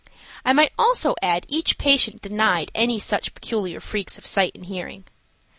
I might also add each patient denied any such peculiar freaks of sight and hearing.